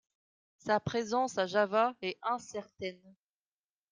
Sa présence à Java est incertaine.